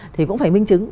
thì cũng phải minh chứng